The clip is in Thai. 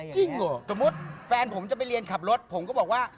สมมุติแฟนผมจะไปเรียนขับรถผมก็บอกว่า